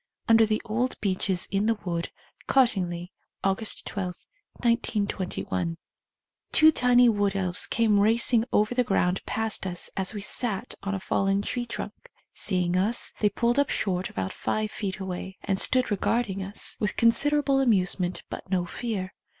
(Under the old beeches in the wood, Cottingley, August 12, 1921.) Two tiny wood elves came racing over the ground past us as we sat on g, fallen tree trunk. Seeing us, they pulled up short about five feet away, and stood regarding us with considerable amusement but no fear.